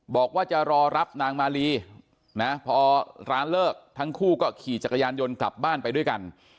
บอกว่าจะรอรับนางมาลีนะพอร้านเลิกทั้งคู่ก็ขี่จักรยานยนต์กลับบ้านไปด้วยกัน